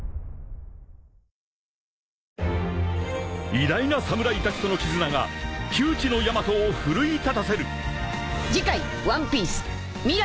［偉大な侍たちとの絆が窮地のヤマトを奮い立たせる］